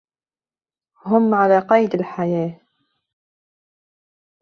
هم على قيد الحياة.